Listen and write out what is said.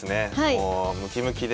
もうムキムキで。